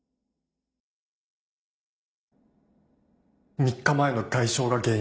３日前の外傷が原因。